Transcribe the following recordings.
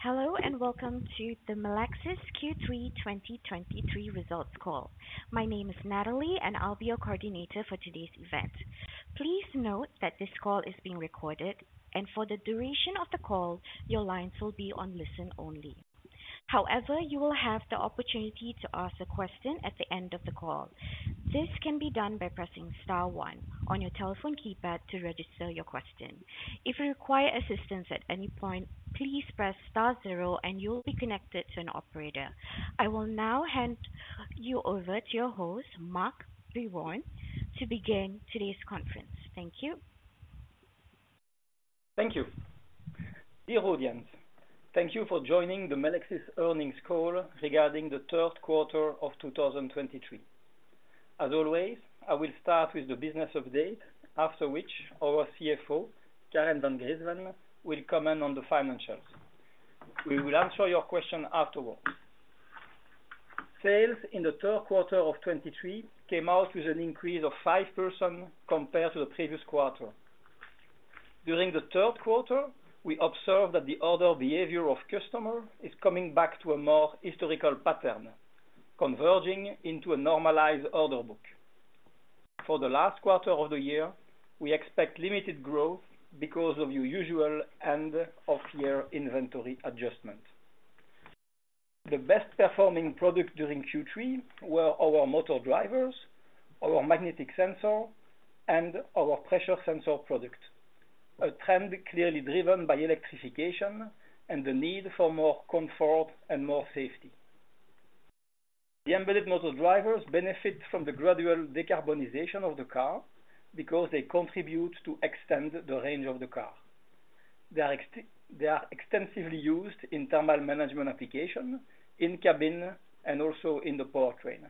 Hello, and welcome to the Melexis Q3 2023 results call. My name is Natalie, and I'll be your coordinator for today's event. Please note that this call is being recorded, and for the duration of the call, your lines will be on listen-only. However, you will have the opportunity to ask a question at the end of the call. This can be done by pressing star one on your telephone keypad to register your question. If you require assistance at any point, please press star zero, and you will be connected to an operator. I will now hand you over to your host, Marc Biron, to begin today's conference. Thank you. Thank you. Dear audience, thank you for joining the Melexis earnings call regarding the Q3 of 2023. As always, I will start with the business update, after which our CFO, Karen Van Griensven, will comment on the financials. We will answer your question afterwards. Sales in the Q3 of 2023 came out with an increase of 5% compared to the previous quarter. During the Q3, we observed that the order behavior of customer is coming back to a more historical pattern, converging into a normalized order book. For the last quarter of the year, we expect limited growth because of your usual end-of-year inventory adjustment. The best performing product during Q3 were our motor drivers, our magnetic sensor, and our pressure sensor product. A trend clearly driven by electrification and the need for more comfort and more safety. The embedded motor drivers benefit from the gradual decarbonization of the car because they contribute to extend the range of the car. They are extensively used in thermal management application, in cabin, and also in the powertrain.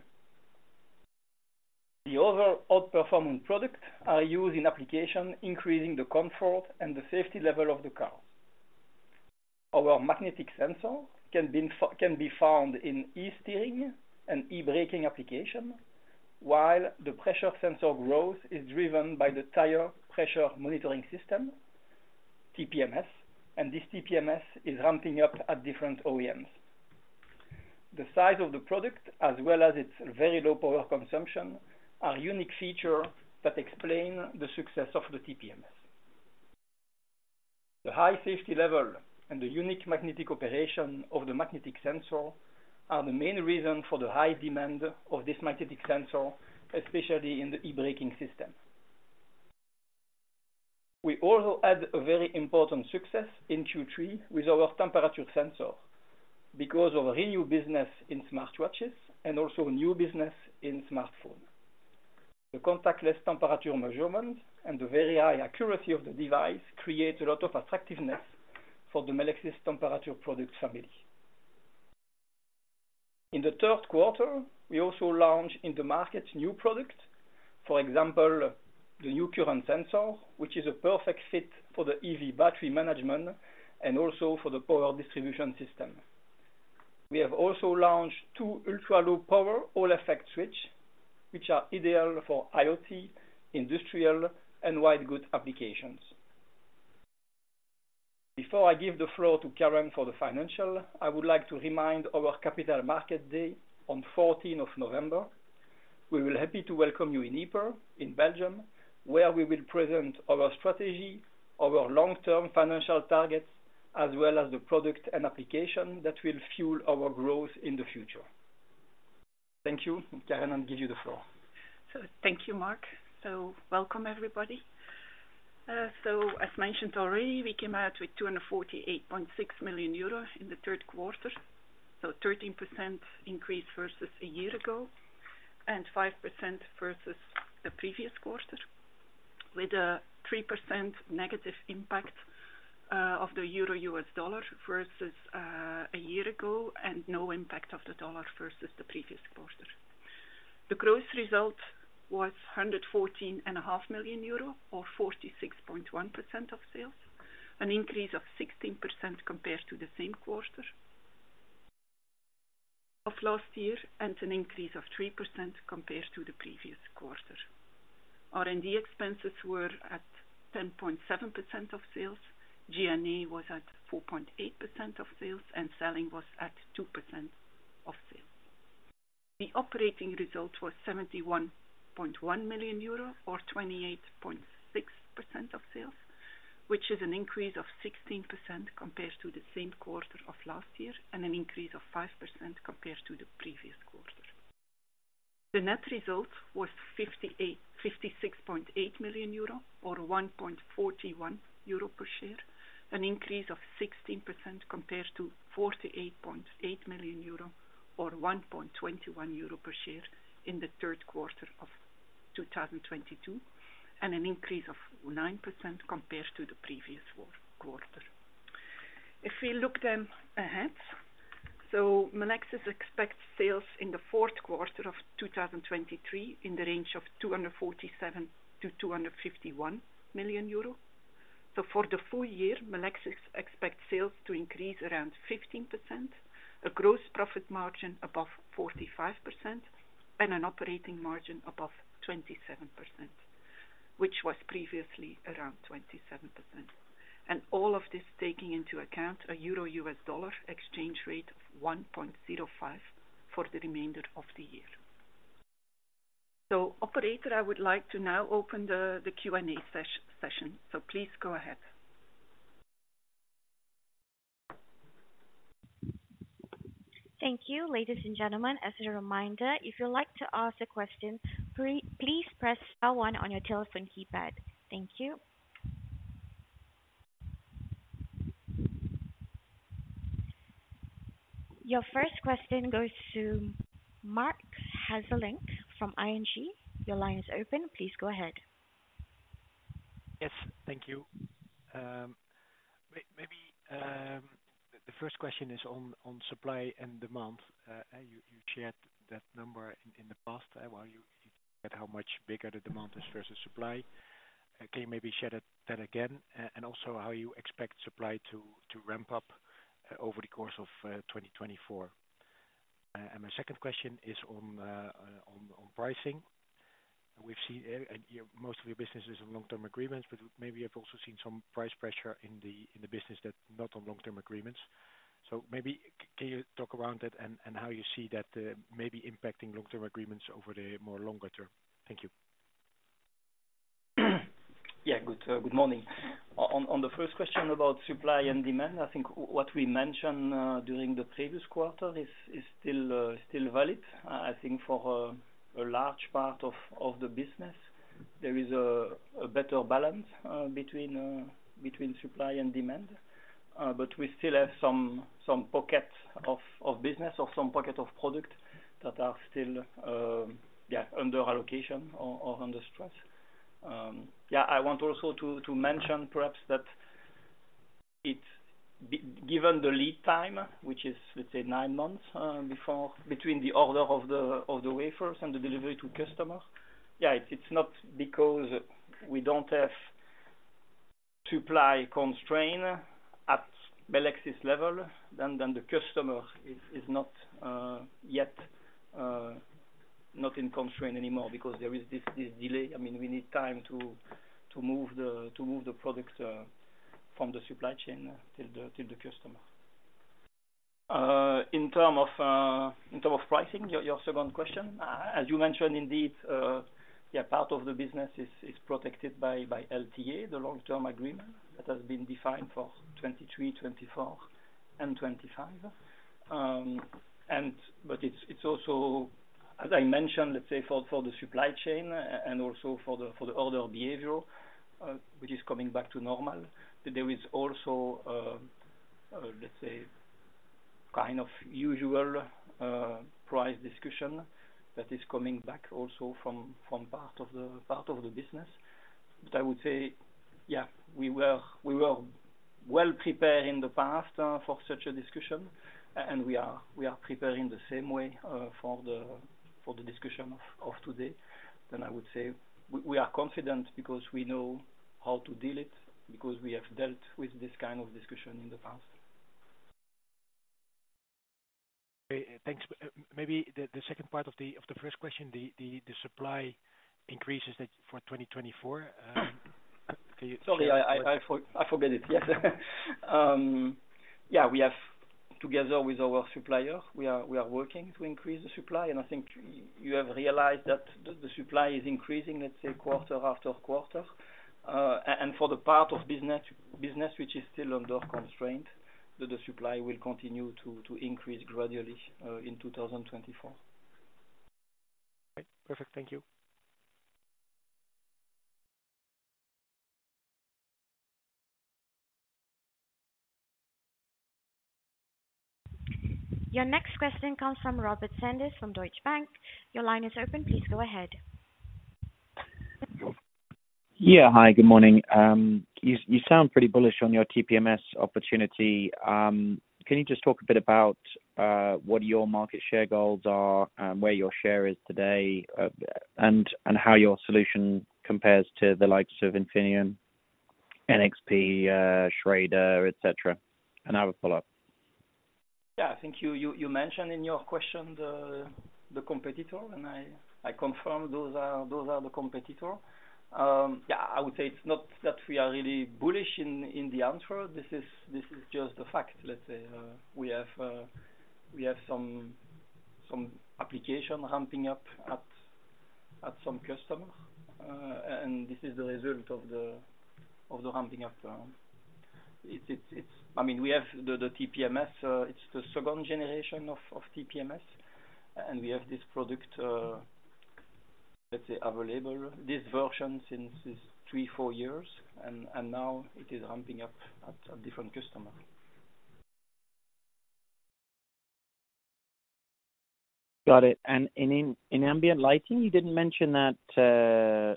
The other outperforming product are used in application, increasing the comfort and the safety level of the car. Our magnetic sensor can be found in e-steering and e-braking application, while the pressure sensor growth is driven by the Tire Pressure Monitoring System, TPMS, and this TPMS is ramping up at different OEMs. The size of the product, as well as its very low power consumption, are unique feature that explain the success of the TPMS. The high safety level and the unique magnetic operation of the magnetic sensor are the main reason for the high demand of this magnetic sensor, especially in the e-braking system. We also had a very important success in Q3 with our temperature sensor because of a new business in smartwatches and also new business in smartphone. The contactless temperature measurement and the very high accuracy of the device create a lot of attractiveness for the Melexis temperature product family. In the Q3, we also launched in the market new product, for example, the new current sensor, which is a perfect fit for the EV battery management and also for the power distribution system. We have also launched two ultra-low power Hall effect switches, which are ideal for IoT, industrial, and white goods applications. Before I give the floor to Karen for the financials, I would like to remind our Capital Markets Day on the 14th of November. We will be happy to welcome you in Ieper, in Belgium, where we will present our strategy, our long-term financial targets, as well as the product and application that will fuel our growth in the future. Thank you, Karen, I'll give you the floor. So thank you, Marc. So welcome, everybody. So as mentioned already, we came out with 248.6 million euro in the Q3, so 13% increase versus a year ago and 5% versus the previous quarter, with a 3% negative impact of the euro/US dollar versus a year ago, and no impact of the dollar versus the previous quarter. The growth result was 114.5 million euro or 46.1% of sales, an increase of 16% compared to the same quarter of last year, and an increase of 3% compared to the previous quarter. R&D expenses were at 10.7% of sales, G&A was at 4.8% of sales, and selling was at 2% of sales. The operating result was 71.1 million euro or 28.6% of sales, which is an increase of 16% compared to the same quarter of last year, and an increase of 5% compared to the previous quarter. The net result was 56.8 million euro or 1.41 euro per share, an increase of 16% compared to 48.8 million euro or 1.21 euro per share in the Q3 of 2022, and an increase of 9% compared to the previous quarter. If we look then ahead, so Melexis expects sales in the Q4 of 2023 in the range of 247 million-251 million euro. For the full year, Melexis expects sales to increase around 15%, a gross profit margin above 45%, and an operating margin above 27%. which was previously around 27%. And all of this taking into account a euro-US dollar exchange rate of 1.05 for the remainder of the year. So operator, I would like to now open the Q&A session, so please go ahead. Thank you. Ladies and gentlemen, as a reminder, if you'd like to ask a question, please press star one on your telephone keypad. Thank you. Your first question goes to Marc Hesselink from ING. Your line is open. Please go ahead. Yes, thank you. Maybe the first question is on supply and demand. You shared that number in the past about how much bigger the demand is versus supply. Can you maybe share that again, and also how you expect supply to ramp up over the course of 2024? And my second question is on pricing. We've seen most of your businesses have long-term agreements, but maybe you've also seen some price pressure in the business that's not on long-term agreements. So maybe can you talk around that and how you see that maybe impacting long-term agreements over the more longer term? Thank you. Yeah, good, good morning. On the first question about supply and demand, I think what we mentioned during the previous quarter is still valid. I think for a large part of the business, there is a better balance between supply and demand. But we still have some pocket of business or some pocket of product that are still under allocation or under stress. I want also to mention perhaps that it's given the lead time, which is, let's say, nine months, before between the order of the wafers and the delivery to customer. Yeah, it's not because we don't have supply constraint at Melexis level, then the customer is not yet not in constraint anymore because there is this delay. I mean, we need time to move the product from the supply chain to the customer. In term of pricing, your second question. As you mentioned, indeed, yeah, part of the business is protected by LTA, the long-term agreement, that has been defined for 2023, 2024 and 2025. And but it's also, as I mentioned, let's say for the supply chain and also for the order behavior, which is coming back to normal. There is also, let's say, kind of usual price discussion that is coming back also from part of the business. But I would say, yeah, we were well prepared in the past for such a discussion, and we are preparing the same way for the discussion of today. Then I would say we are confident because we know how to deal it, because we have dealt with this kind of discussion in the past. Okay, thanks. Maybe the second part of the first question, the supply increases that for 2024, can you- Sorry, I forget it. Yes. Yeah, we have together with our supplier, we are working to increase the supply, and I think you have realized that the supply is increasing, let's say, quarter after quarter. And for the part of business which is still under constraint, that the supply will continue to increase gradually in 2024. Okay, perfect. Thank you. Your next question comes from Robert Sanders, from Deutsche Bank. Your line is open. Please go ahead. Yeah. Hi, good morning. You sound pretty bullish on your TPMS opportunity. Can you just talk a bit about what your market share goals are and where your share is today, and how your solution compares to the likes of Infineon, NXP, Schrader, et cetera? And I have a follow-up. Yeah, I think you mentioned in your question the competitor, and I confirm those are the competitor. Yeah, I would say it's not that we are really bullish in the answer. This is just a fact. Let's say, we have some application ramping up at some customer, and this is the result of the ramping up. It's I mean, we have the TPMS, it's the second generation of TPMS, and we have this product, let's say, available, this version since 3-4 years, and now it is ramping up at different customer. Got it. And in ambient lighting, you didn't mention that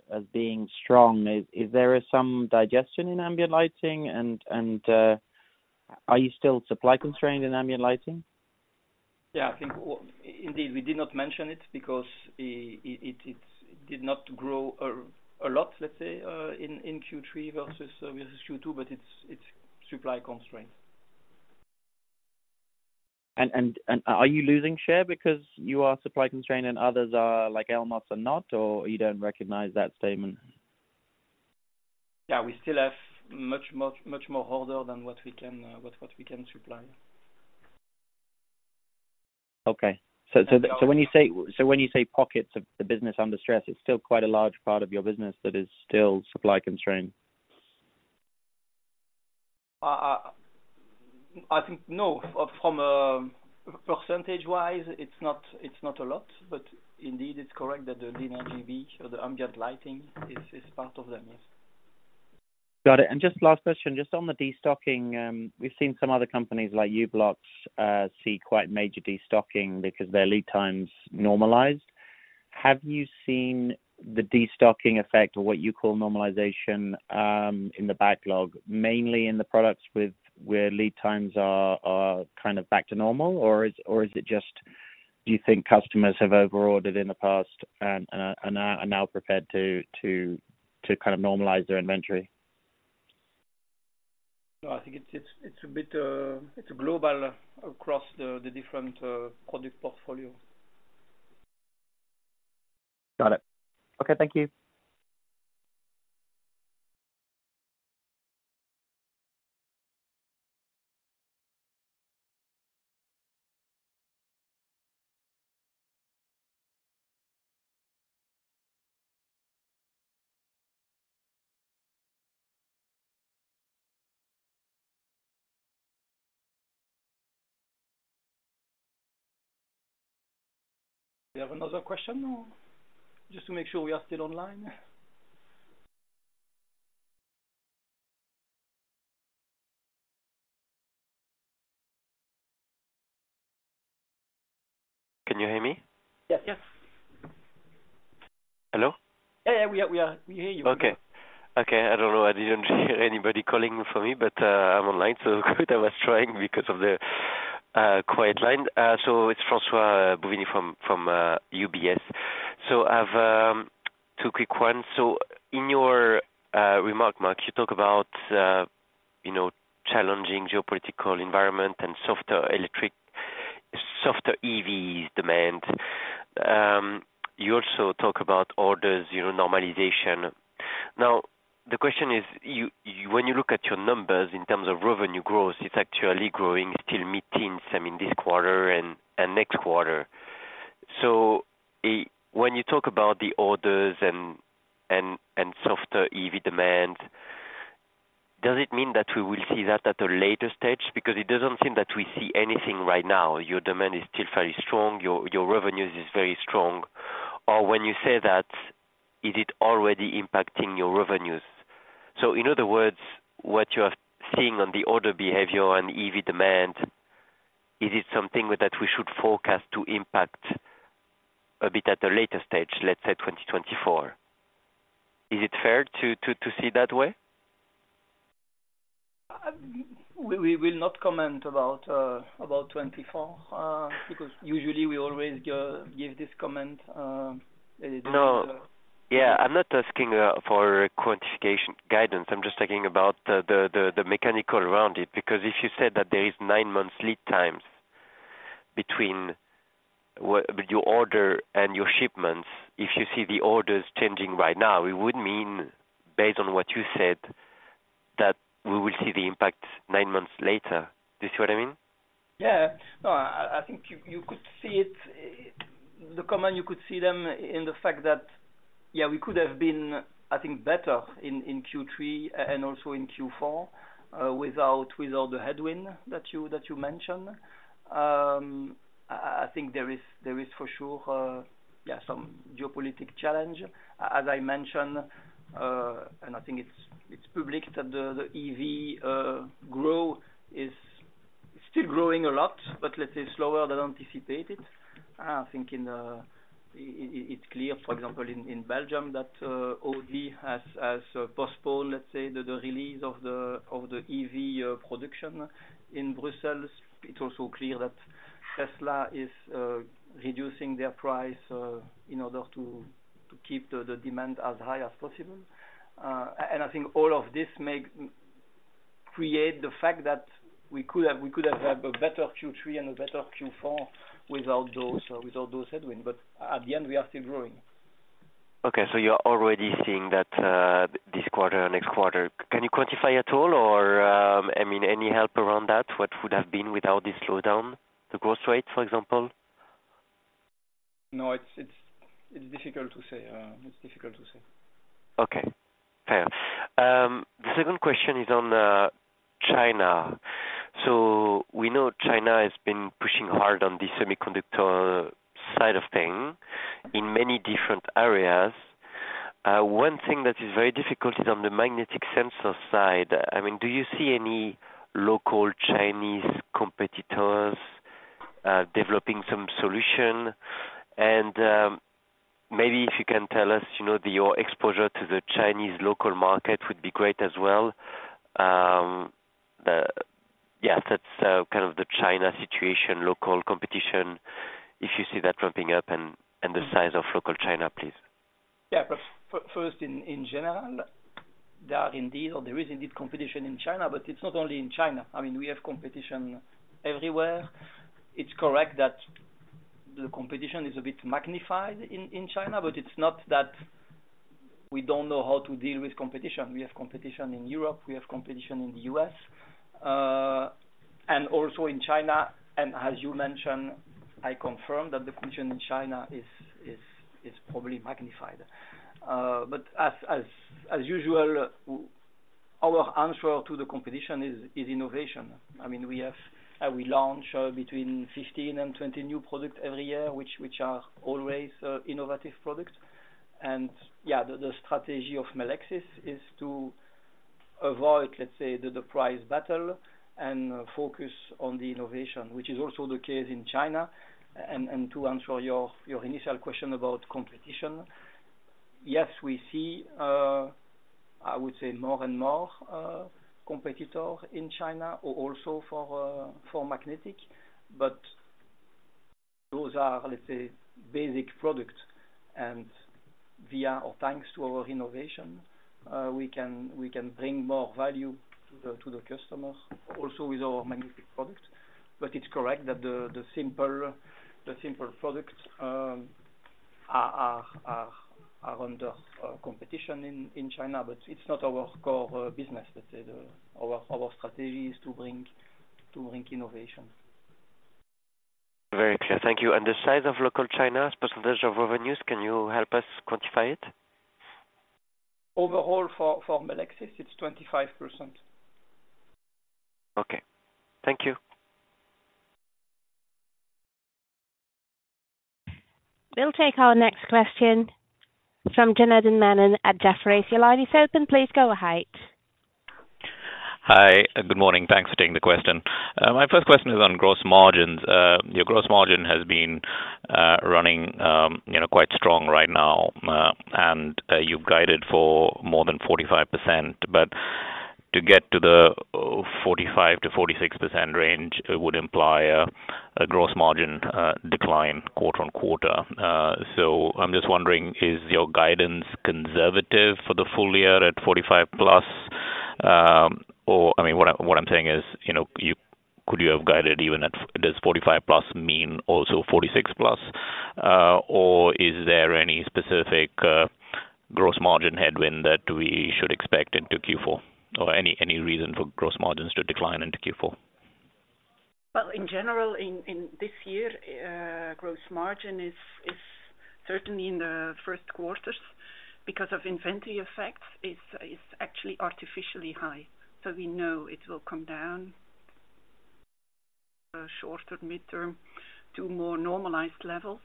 as being strong. Is there some digestion in ambient lighting and are you still supply constrained in ambient lighting? Yeah, I think indeed, we did not mention it because it did not grow a lot, let's say, in Q3 versus Q2, but it's supply constrained. ... And are you losing share because you are supply constrained and others are, like Elmos are not, or you don't recognize that statement? Yeah, we still have much, much, much more order than what we can supply. Okay. So when you say pockets of the business under stress, it's still quite a large part of your business that is still supply constrained? I think no, from percentage-wise, it's not, it's not a lot, but indeed, it's correct that the Linear RGB or the ambient lighting is part of them, yes. Got it, and just last question, just on the destocking, we've seen some other companies like u-blox see quite major destocking because their lead times normalized. Have you seen the destocking effect or what you call normalization in the backlog, mainly in the products where lead times are kind of back to normal, or is it just, do you think customers have over-ordered in the past and are now prepared to kind of normalize their inventory? No, I think it's a bit. It's global across the different product portfolio. Got it. Okay, thank you. We have another question? Just to make sure we are still online. Can you hear me? Yeah. Yes. Hello? Yeah, yeah, we are. We hear you. Okay. Okay, I don't know. I didn't hear anybody calling for me, but I'm online, so I was trying because of the quiet line. So it's François Bouvignies from UBS. So I've two quick ones. So in your remark, Marc, you talk about, you know, challenging geopolitical environment and softer electric, softer EV demand. You also talk about orders, you know, normalization. Now, the question is, when you look at your numbers in terms of revenue growth, it's actually growing still mid-teens, I mean, this quarter and next quarter. So when you talk about the orders and softer EV demand, does it mean that we will see that at a later stage? Because it doesn't seem that we see anything right now. Your demand is still fairly strong. Your revenues is very strong. Or when you say that, is it already impacting your revenues? So in other words, what you are seeing on the order behavior and EV demand, is it something that we should forecast to impact a bit at a later stage, let's say 2024? Is it fair to see it that way? We will not comment about 2024 because usually we always go give this comment, it is- No. Yeah, I'm not asking for quantification guidance. I'm just talking about the mechanical around it. Because if you said that there is nine months lead times between what your order and your shipments, if you see the orders changing right now, it would mean, based on what you said, that we will see the impact nine months later. Do you see what I mean? Yeah. No, I think you could see it, the comment. You could see it in the fact that, yeah, we could have been, I think, better in Q3 and also in Q4 without all the headwind that you mentioned. I think there is for sure, yeah, some geopolitical challenge. As I mentioned, and I think it's public that the EV growth is still growing a lot, but let's say slower than anticipated. I think it's clear, for example, in Belgium, that Audi has postponed, let's say, the release of the EV production in Brussels. It's also clear that Tesla is reducing their price in order to keep the demand as high as possible. I think all of this make... create the fact that we could have, we could have had a better Q3 and a better Q4 without those, without those headwind, but at the end, we are still growing. Okay, so you're already seeing that this quarter and next quarter. Can you quantify at all or, I mean, any help around that, what would have been without this slowdown, the growth rate, for example? No, it's difficult to say. It's difficult to say. Okay, fair. The second question is on China. So we know China has been pushing hard on the semiconductor side of things in many different areas. One thing that is very difficult is on the magnetic sensor side. I mean, do you see any local Chinese competitors developing some solution? And maybe if you can tell us, you know, your exposure to the Chinese local market would be great as well. Yeah, that's kind of the China situation, local competition, if you see that ramping up and the size of local China, please. Yeah, but first, in general, there is indeed competition in China, but it's not only in China. I mean, we have competition everywhere. It's correct that the competition is a bit magnified in China, but it's not that we don't know how to deal with competition. We have competition in Europe, we have competition in the U.S., and also in China. And as you mentioned, I confirm that the competition in China is probably magnified. But as usual, our answer to the competition is innovation. I mean, we launch between 15 and 20 new products every year, which are always innovative products. And yeah, the strategy of Melexis is to avoid, let's say, the price battle and focus on the innovation, which is also the case in China. To answer your initial question about competition, yes, we see, I would say, more and more competitor in China, or also for magnetic. But those are, let's say, basic products, and via or thanks to our innovation, we can bring more value to the customers, also with our magnetic products. But it's correct that the simple products are under competition in China, but it's not our core business. Let's say, our strategy is to bring innovation. Very clear. Thank you. And the size of local China's percentage of revenues, can you help us quantify it? Overall, for Melexis, it's 25%. Okay, thank you. We'll take our next question from Janardan Menon at Jefferies. Your line is open. Please go ahead. Hi, and good morning. Thanks for taking the question. My first question is on gross margins. Your gross margin has been running, you know, quite strong right now, and you've guided for more than 45%. But to get to the 45%-46% range, it would imply a gross margin decline quarter-over-quarter. So I'm just wondering, is your guidance conservative for the full year at 45+? Or I mean, what I'm saying is, you know, you-- could you have guided even at, does 45+ mean also 46+? Or is there any specific gross margin headwind that we should expect into Q4? Or any reason for gross margins to decline into Q4? Well, in general, in this year, gross margin is certainly in the Q1, because of inventory effects, is actually artificially high. So we know it will come down shorter mid-term to more normalized levels.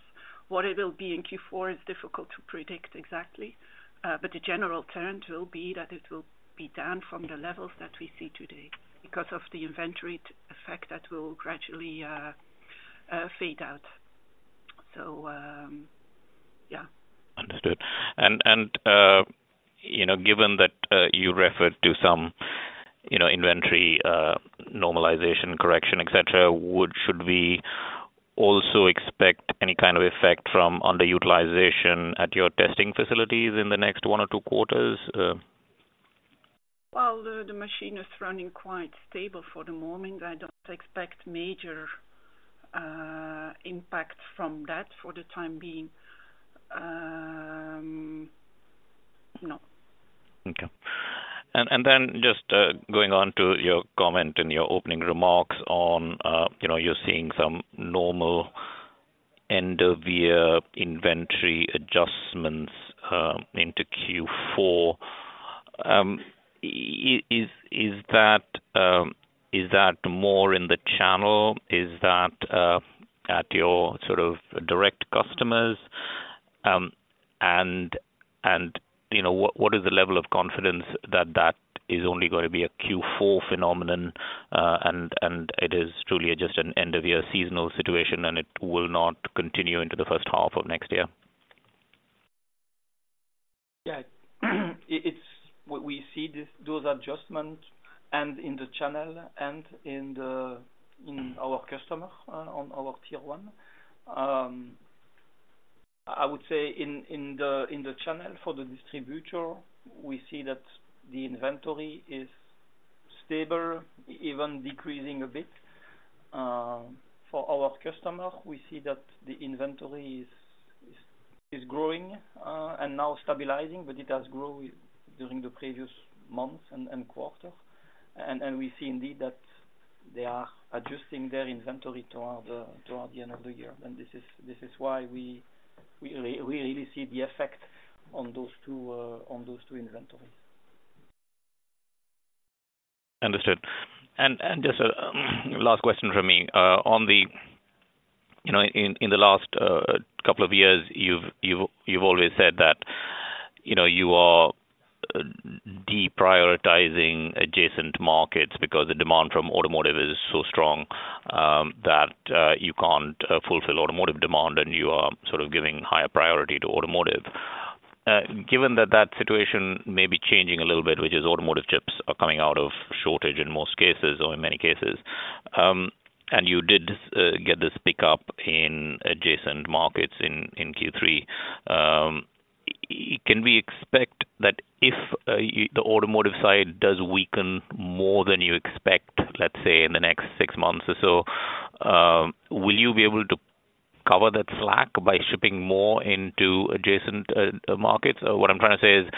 What it will be in Q4 is difficult to predict exactly, but the general trend will be that it will be down from the levels that we see today, because of the inventory effect that will gradually fade out. So, yeah. Understood. And you know, given that you referred to some you know, inventory normalization, correction, et cetera, should we also expect any kind of effect from underutilization at your testing facilities in the next 1 or 2 quarters? Well, the machine is running quite stable for the moment. I don't expect major impact from that for the time being. No. Okay. And then just going on to your comment and your opening remarks on, you know, you're seeing some normal end-of-year inventory adjustments into Q4. Is that more in the channel? Is that at your sort of direct customers? And you know, what is the level of confidence that that is only gonna be a Q4 phenomenon, and it is truly just an end-of-year seasonal situation, and it will not continue into the first half of next year? Yeah. It's what we see, these, those adjustments and in the channel and in our customer on our Tier 1. I would say in the channel for the distributor, we see that the inventory is stable, even decreasing a bit. For our customer, we see that the inventory is growing and now stabilizing, but it has grown during the previous months and quarter. We see indeed that they are adjusting their inventory toward the end of the year. This is why we really see the effect on those two inventories. Understood. And just a last question from me. On the You know, in the last couple of years, you've always said that, you know, you are deprioritizing adjacent markets because the demand from automotive is so strong, that you can't fulfill automotive demand, and you are sort of giving higher priority to automotive. Given that that situation may be changing a little bit, which is automotive chips are coming out of shortage in most cases or in many cases. And you did get this pickup in adjacent markets in Q3. Can we expect that if the automotive side does weaken more than you expect, let's say, in the next six months or so, will you be able to cover that slack by shipping more into adjacent markets? What I'm trying to say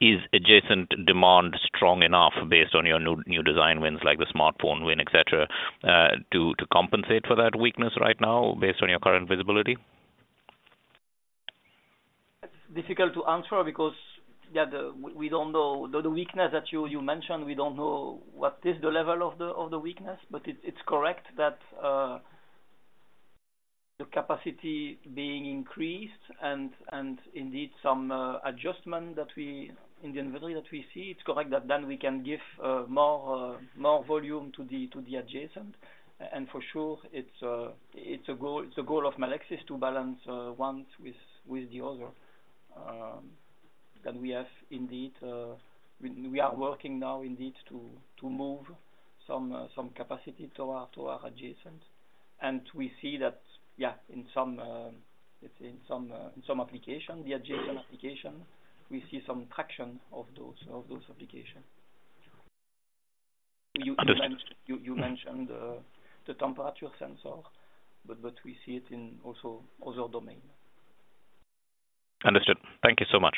is adjacent demand strong enough based on your new, new design wins, like the smartphone win, et cetera, to compensate for that weakness right now based on your current visibility? It's difficult to answer because, yeah, we don't know. The weakness that you mentioned, we don't know what is the level of the weakness, but it's correct that the capacity being increased and indeed some adjustment that we in the inventory that we see, it's correct that then we can give more volume to the adjacent. And for sure, it's a goal, it's a goal of Melexis to balance one with the other. That we have indeed, we are working now indeed to move some capacity to our adjacent. And we see that, yeah, in some, it's in some application, the adjacent application, we see some traction of those application. Understood. You mentioned the temperature sensor, but we see it in also other domain. Understood. Thank you so much.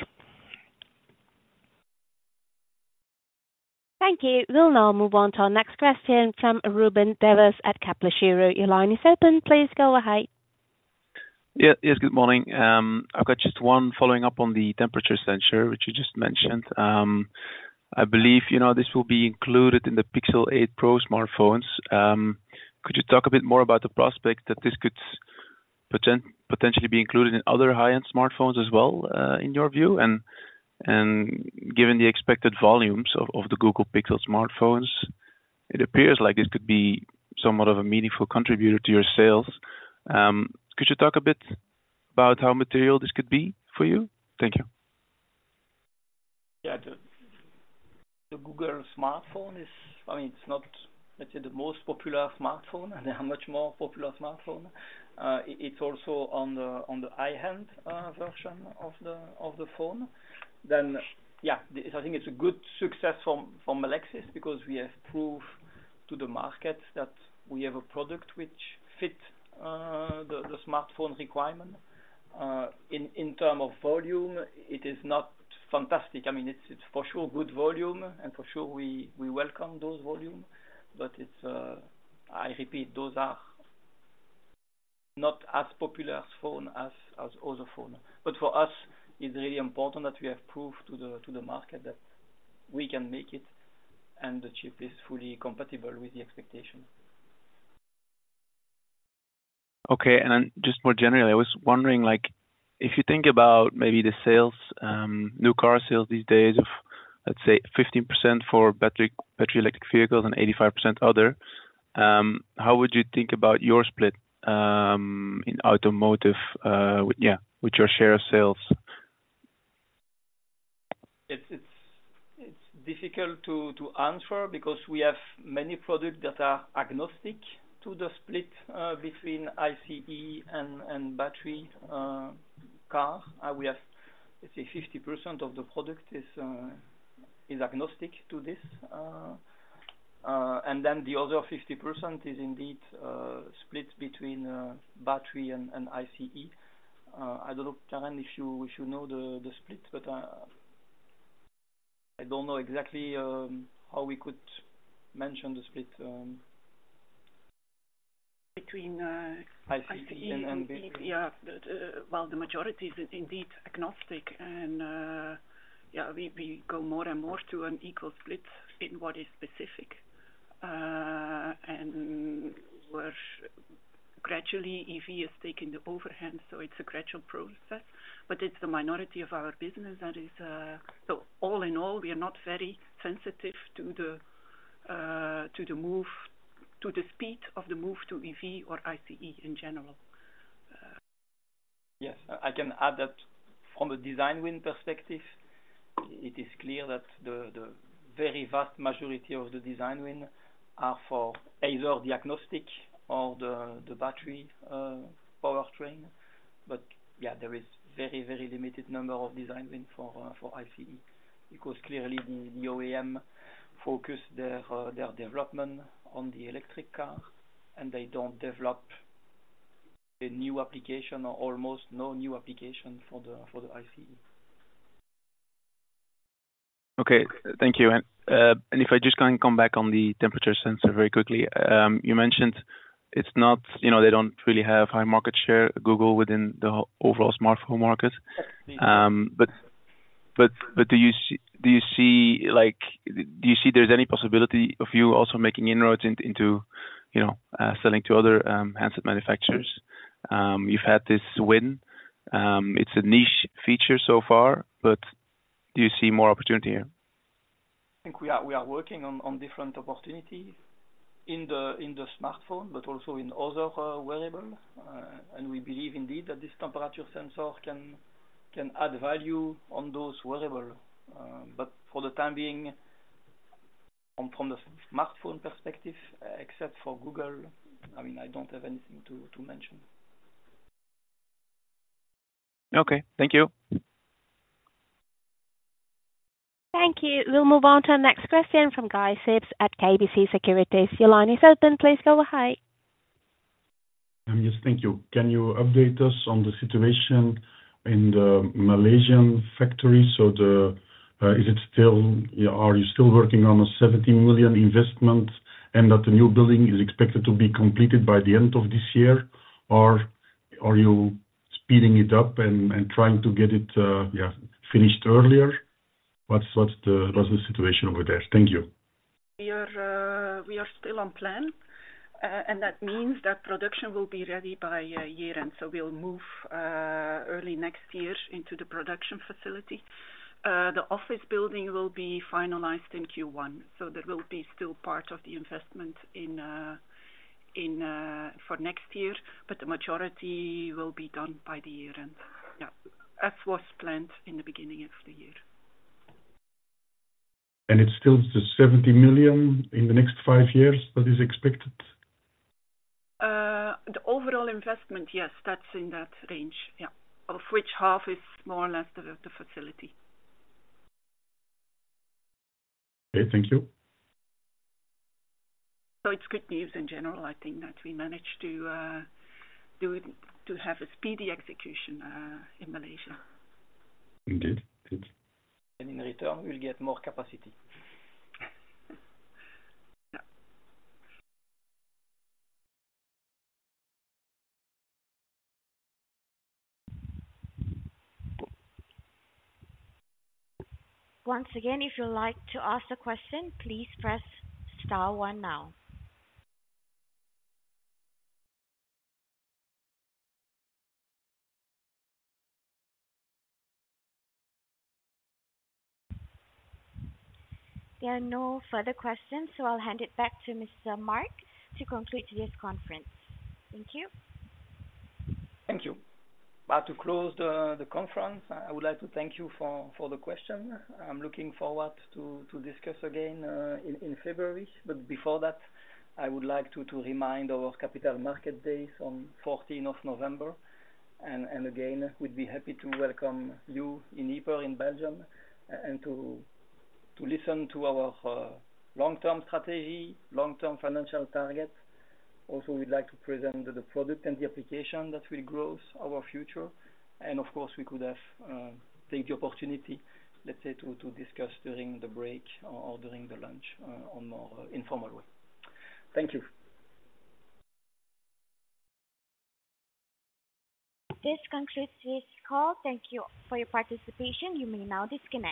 Thank you. We'll now move on to our next question from Ruben Devos at Kepler Cheuvreux. Your line is open. Please go ahead. Yeah. Yes, good morning. I've got just one following up on the temperature sensor, which you just mentioned. I believe, you know, this will be included in the Pixel 8 Pro smartphones. Could you talk a bit more about the prospect that this could potentially be included in other high-end smartphones as well, in your view? And given the expected volumes of the Google Pixel smartphones, it appears like this could be somewhat of a meaningful contributor to your sales. Could you talk a bit about how material this could be for you? Thank you. Yeah, the Google smartphone is I mean, it's not, let's say, the most popular smartphone, and there are much more popular smartphone. It's also on the high-end version of the phone. Then, yeah, I think it's a good success from Melexis, because we have proved to the market that we have a product which fit the smartphone requirement. In term of volume, it is not fantastic. I mean, it's for sure good volume, and for sure, we welcome those volume. But it's, I repeat, those are not as popular as phone as other phone. But for us, it's really important that we have proved to the market that we can make it, and the chip is fully compatible with the expectation. Okay. And then just more generally, I was wondering, like, if you think about maybe the sales, new car sales these days of, let's say, 50% for battery electric vehicles and 85% other, how would you think about your split in automotive? Yeah, with your share of sales. It's difficult to answer because we have many products that are agnostic to the split between ICE and battery car. We have, let's say 50% of the product is agnostic to this. And then the other 50% is indeed split between battery and ICE. I don't know, Karen, if you know the split, but I don't know exactly how we could mention the split. Between, uh- ICE, yeah. Well, the majority is indeed agnostic, and, yeah, we go more and more to an equal split in what is specific. And where gradually, EV is taking the upper hand, so it's a gradual process, but it's the minority of our business that is... So all in all, we are not very sensitive to the, to the move, to the speed of the move to EV or ICE in general. Yes, I can add that from a design win perspective, it is clear that the very vast majority of the design win are for either the agnostic or the battery powertrain. But yeah, there is very, very limited number of design win for ICE, because clearly the OEM focus their development on the electric car, and they don't develop a new application or almost no new application for the ICE. Okay, thank you. And if I just can come back on the temperature sensor very quickly. You mentioned it's not, you know, they don't really have high market share, Google, within the overall smartphone market. Yes, indeed. But do you see there's any possibility of you also making inroads into, you know, selling to other handset manufacturers? You've had this win, it's a niche feature so far, but do you see more opportunity here? I think we are working on different opportunity in the smartphone, but also in other wearable. And we believe indeed that this temperature sensor can add value on those wearable. But for the time being, from the smartphone perspective, except for Google, I mean, I don't have anything to mention. Okay, thank you. Thank you. We'll move on to our next question from Guy Sips at KBC Securities. Your line is open. Please go ahead. Yes, thank you. Can you update us on the situation in the Malaysian factory? So, is it still... Are you still working on a 70 million investment, and that the new building is expected to be completed by the end of this year? Or are you speeding it up and trying to get it finished earlier? What's the situation over there? Thank you. We are, we are still on plan. That means that production will be ready by year-end. We'll move early next year into the production facility. The office building will be finalized in Q1, so that will be still part of the investment in for next year, but the majority will be done by the year-end. Yeah, as was planned in the beginning of the year. It's still the 70 million in the next 5 years that is expected? The overall investment, yes, that's in that range, yeah. Of which half is more or less the facility. Okay, thank you. It's good news in general. I think that we managed to do it, to have a speedy execution in Malaysia. Indeed. Good. In return, we'll get more capacity. Yeah. Once again, if you'd like to ask a question, please press star one now. There are no further questions, so I'll hand it back to Mr. Marc to conclude today's conference. Thank you. Thank you. Well, to close the conference, I would like to thank you for the question. I'm looking forward to discuss again in February. But before that, I would like to remind our capital market days on 14 of November. And again, we'd be happy to welcome you in Ieper, in Belgium, and to listen to our long-term strategy, long-term financial target. Also, we'd like to present the product and the application that will grow our future. And of course, we could have take the opportunity, let's say, to discuss during the break or during the lunch on a more informal way. Thank you. This concludes this call. Thank you for your participation. You may now disconnect.